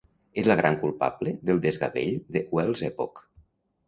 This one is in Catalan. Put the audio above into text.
És la gran culpable del desgavell de Wells Epoch.